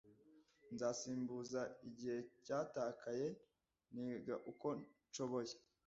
nzasimbuza igihe cyatakaye niga uko nshoboye